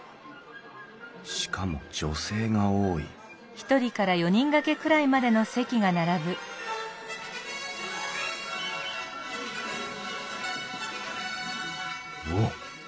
しかも女性が多いおっ！